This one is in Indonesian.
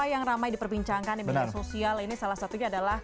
yang ramai diperbincangkan di media sosial ini salah satunya adalah